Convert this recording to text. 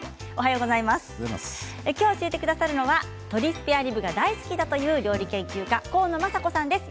今日、教えてくださるのは鶏スペアリブが大好きだという料理研究家、河野雅子さんです。